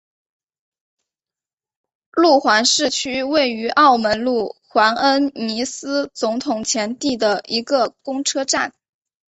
路环市区位于澳门路环恩尼斯总统前地的一个公车站。